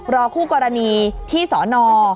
รอคู่กรณีที่สอนอร์